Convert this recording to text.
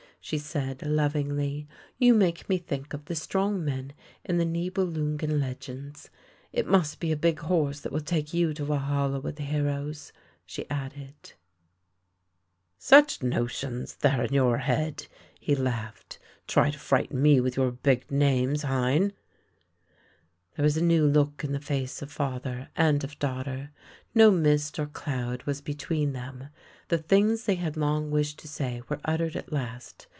" she said lovingly. " You make me think of the strong men in the Niebelungen legends. It must be a big horse that will take you to Walhalla with the heroes," she added. THE LANE THAT HAD NO TURNING 21 "Such notions — there in your head!" he laughed. " Try to frighten me %vith your big names — hciiiF " There was a new look in the face of father and of daughter. No mist or cloud was between them. The things they had long wished to say were uttered at last.